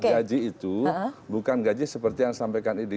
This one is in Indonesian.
gaji itu bukan gaji seperti yang disampaikan idi